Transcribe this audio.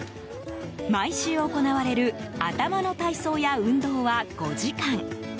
毎週行われる頭の体操や運動は５時間。